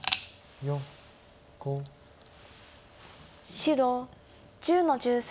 白１０の十三。